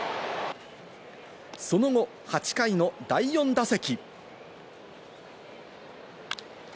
その後、８回の第４打席。